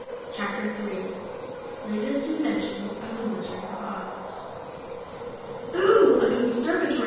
CHAPTER 3 Latest Invention of the Wizard of Oz "Ooooooh! A conservatory!"